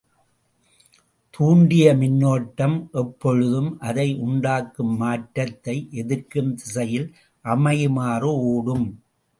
தூண்டிய மின்னோட்டம் எப்பொழுதும் அதை உண்டாக்கும் மாற்றத்தை எதிர்க்கும் திசையில் அமையுமாறு ஒடும்.